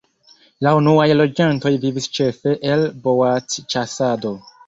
La unuaj loĝantoj vivis ĉefe el boacĉasado.